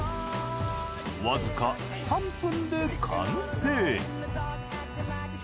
わずか３分で完成。